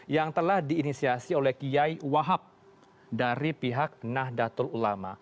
yang telah diinisiasi oleh kiai wahab dari pihak nahdlatul ulama